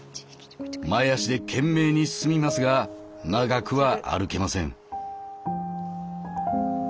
前足で懸命に進みますが長くは歩けません。